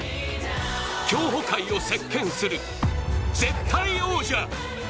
競歩界を席けんする絶対王者。